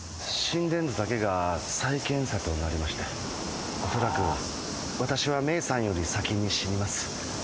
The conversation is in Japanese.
心電図だけが再検査となりましておそらく私はメイさんより先に死にます